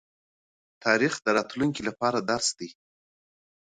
تاريخ د راتلونکي لپاره درس دی.